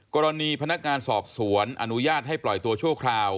กรณีพนักงานสอบสวนอนุญาตให้ปล่อยตัวชั่วคราว